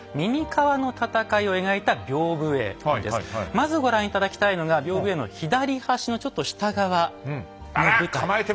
まずご覧頂きたいのが屏風絵の左端のちょっと下側の部隊。